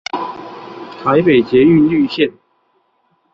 台北捷運綠線